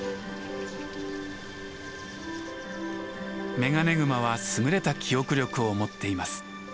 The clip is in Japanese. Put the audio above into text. メガネグマは優れた記憶力を持っています。